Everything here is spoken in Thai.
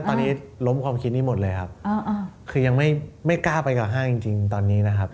ตอนนี้ล้มความคิดนี้หมดเลยครับคือยังไม่กล้าไปกับห้างจริงตอนนี้นะครับ